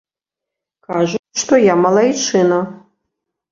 Кажуць, што я малайчына.